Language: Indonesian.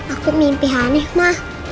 aku mimpi aneh ma